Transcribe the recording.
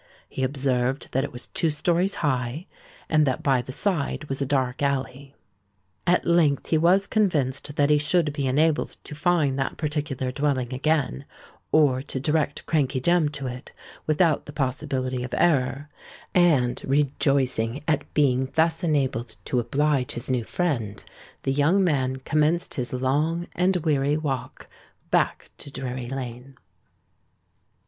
He observed that it was two storeys high, and that by the side was a dark alley. At length he was convinced that he should be enabled to find that particular dwelling again, or to direct Crankey Jem to it without the possibility of error; and, rejoicing at being thus enabled to oblige his new friend, the young man commenced his long and weary walk back to Drury Lane.